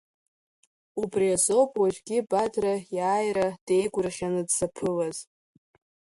Убри азоуп уажәгьы Бадра иааира деигәырӷьаны дзаԥылаз.